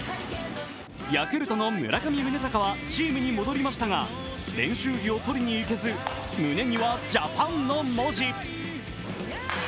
ヤクルトの村上宗隆はチームに戻りましたが練習着を取りに行けず、胸にはジャパンの文字。